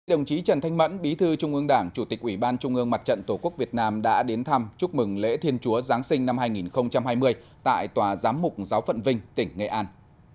đồng chí trần thanh mẫn bí thư trung ương đảng chủ tịch ủy ban trung ương mặt trận tổ quốc việt nam đã đến thăm chúc mừng lễ thiên chúa giáng sinh năm hai nghìn hai mươi tại tòa giám mục giáo phận vinh tỉnh nghệ an